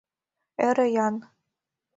— ӧрӧ Ян.